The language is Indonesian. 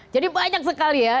jadi banyak sekali ya